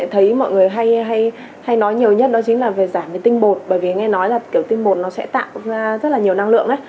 thấy mọi người hay nói nhiều nhất đó chính là về giảm tinh bột bởi vì nghe nói là kiểu tinh bột nó sẽ tạo ra rất là nhiều năng lượng